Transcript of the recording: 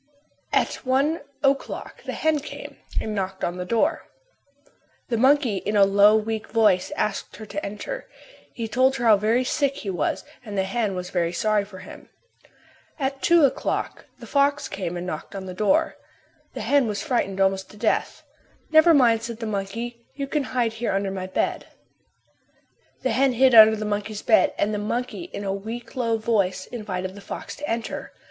At one o'clock the hen came and knocked at the door. The monkey in a low, weak voice asked her to enter. He told her how very sick he was and the hen was very sorry for him. At two o'clock the fox came and knocked at the door. The hen was frightened almost to death. "Never mind," said the monkey, "you can hide here under my bed." The hen hid under the monkey's bed and the monkey in a weak, low voice invited the fox to enter.